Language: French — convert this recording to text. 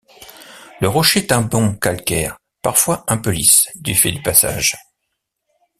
Le rocher est un bon calcaire parfois un peu lisse du fait du passage.